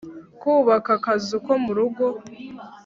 kubaka akazu ko mu rugo,